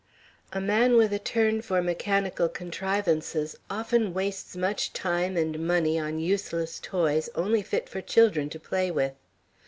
"A man with a turn for mechanical contrivances often wastes much time and money on useless toys only fit for children to play with.